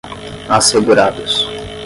assegurados